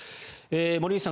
森内さん